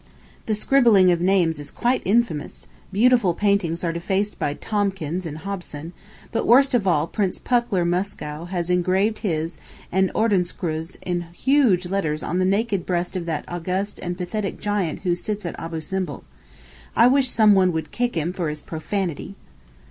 The scribbling of names is quite infamous, beautiful paintings are defaced by Tomkins and Hobson, but worst of all Prince Pückler Muskau has engraved his and his Ordenskreuz in huge letters on the naked breast of that august and pathetic giant who sits at Abou Simbel. I wish someone would kick him for his profanity.